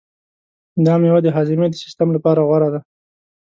دا مېوه د هاضمې د سیستم لپاره غوره ده.